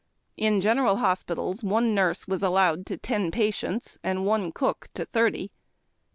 In general hospitals one nurse was allowed to ten patients, and one cook to thirty.